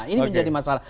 ini menjadi masalah